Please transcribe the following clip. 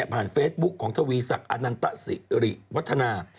ผ่านเฟซบุ๊กของทวีศักดิ์อานันตะศิริวัฒนา